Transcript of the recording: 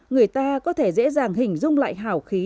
người ta có thể dễ dàng hình dung lại hòn đá